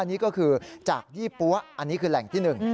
นี่ก็คือจากยี่ปั้วอันนี้คือแหล่งที่๑